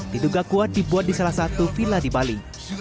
diduga kuat dibuat di salah satu villa di bali